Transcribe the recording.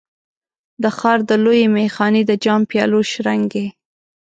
د ښار د لویې میخانې د جام، پیالو شرنګی